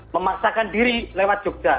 memaksakan diri lewat jogja